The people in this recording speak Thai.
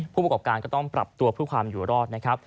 ผู้ประกอบการก็ต้องปรับตัวเพื่อความอยู่รอดนะครับ